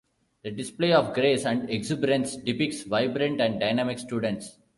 The display of grace and exuberance depicts vibrant and dynamic students.